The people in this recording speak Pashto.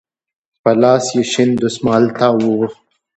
په لاس يې شين دسمال تاو و.